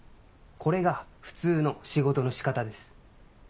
これが普通の仕事の仕方です。